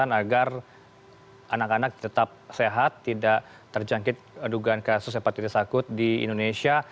apakah ada yang harus dilakukan masyarakat agar anak anak tetap sehat tidak terjangkit dugaan kasus hepatitis akut di indonesia